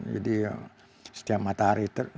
jadi setiap matahari